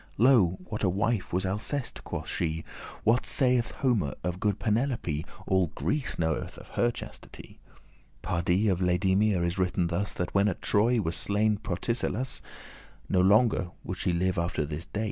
Lo, what a wife was Alceste?" quoth she. "What saith Homer of good Penelope? All Greece knoweth of her chastity. Pardie, of Laedamia is written thus, That when at Troy was slain Protesilaus, <24> No longer would she live after his day.